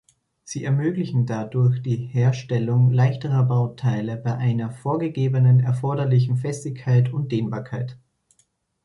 Sie ermöglichen dadurch die Herstellung leichterer Bauteile bei einer vorgegebenen erforderlichen Festigkeit und Dehnbarkeit.